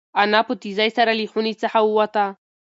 انا په تېزۍ سره له خونې څخه ووته.